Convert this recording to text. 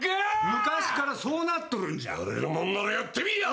昔からそうなってるんだ！